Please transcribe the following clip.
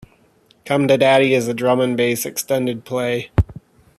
"Come to Daddy" is a drum and bass extended play.